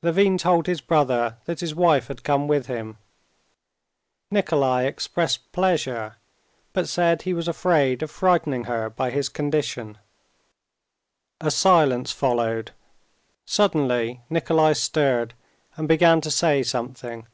Levin told his brother that his wife had come with him. Nikolay expressed pleasure, but said he was afraid of frightening her by his condition. A silence followed. Suddenly Nikolay stirred, and began to say something.